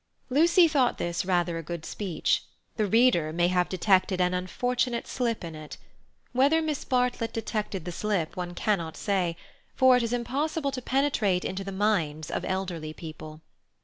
Lucy thought this rather a good speech. The reader may have detected an unfortunate slip in it. Whether Miss Bartlett detected the slip one cannot say, for it is impossible to penetrate into the minds of elderly people.